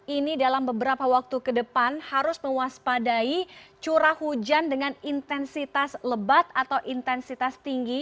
ini dalam beberapa waktu ke depan harus mewaspadai curah hujan dengan intensitas lebat atau intensitas tinggi